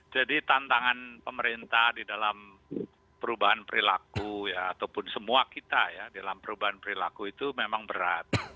jadi tantangan pemerintah di dalam perubahan perilaku ataupun semua kita ya di dalam perubahan perilaku itu memang berat